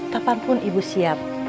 kapanpun ibu siap